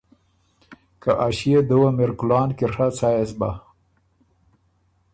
که ”ا ݭيې دُوّه م اِر کُلان کی ڒَۀ څا يې سو بۀ؟“